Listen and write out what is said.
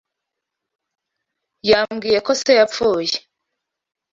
Yambwiye ko se yapfuye.